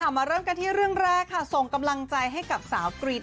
มาเริ่มกันที่เรื่องแรกค่ะส่งกำลังใจให้กับสาวกรี๊ด